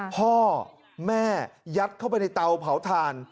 พ่อแม่ยัดเข้าไปในเตาเผาถ่าน